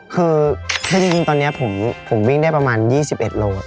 คือจริงตอนนี้ผมวิ่งได้ประมาณ๒๑โล